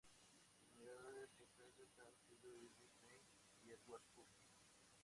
Sus mayores influencias han sido Irving Penn y Edward Curtis.